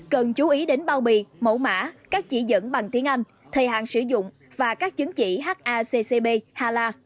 cần chú ý đến bao bì mẫu mã các chỉ dẫn bằng tiếng anh thời hạn sử dụng và các chứng chỉ haccb hala